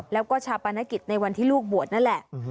แล้วก็ชาปนกิจในวันที่ลูกบวชนั่นแหละ